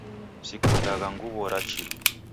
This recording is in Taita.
Sikundagha nguw'o ra chilu